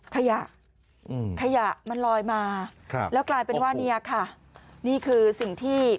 ขยะขยะมันลอยมาครับแล้วกลายเป็นว่าเนี่ยค่ะนี่คือสิ่งที่